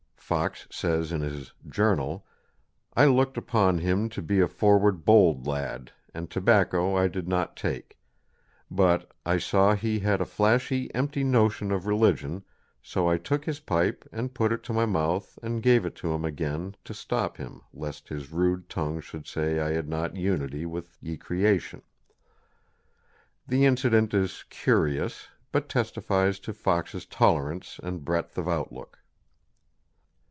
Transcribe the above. Fox says in his "Journal," "I lookt upon him to bee a forwarde bolde lad: and tobacco I did not take: butt ... I saw hee had a flashy empty notion of religion: soe I took his pipe and putt it to my mouth and gave it to him again to stoppe him lest his rude tongue should say I had not unity with ye creation." The incident is curious, but testifies to Fox's tolerance and breadth of outlook.